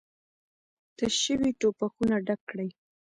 تش شوي ټوپکونه ډک کړئ!